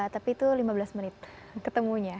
tapi itu lima belas menit ketemunya